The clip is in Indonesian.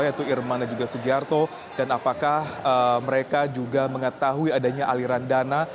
yaitu irman dan juga sugiarto dan apakah mereka juga mengetahui adanya aliran dana